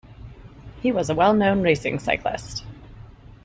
He was a well-known racing cyclist.